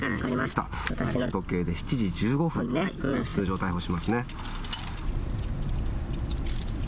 私の時計で午前７時１５分、通常逮捕しますね。